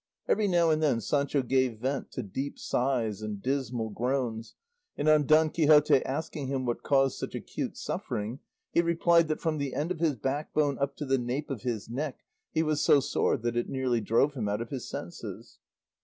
Every now and then Sancho gave vent to deep sighs and dismal groans, and on Don Quixote asking him what caused such acute suffering, he replied that, from the end of his back bone up to the nape of his neck, he was so sore that it nearly drove him out of his senses.